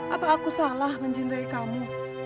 apa aku salah mencintai kamu